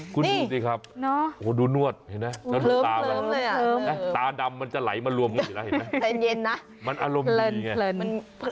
คุณดูสิครับดูนวดเห็นไหมตาดำมันจะไหลมารวมมันอารมณ์ดีไง